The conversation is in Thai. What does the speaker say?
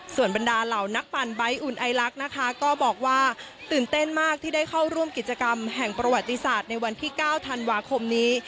ส่วนบรรดาเหล่านักปั่นใบ้อุ่นไอลักษณ์นะคะก็บอกว่าตื่นเต้นมากที่ได้เข้าร่วมกิจกรรมแห่งประวัติศาสตร์ในวันที่๙ธันวาคมนี้